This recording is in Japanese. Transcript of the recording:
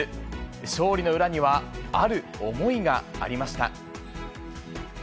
勝利の裏には、ある思いがありました。